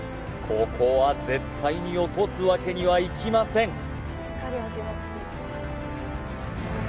ここは絶対に落とすわけにはいきません